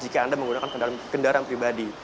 anda bisa menggunakan kendaraan pribadi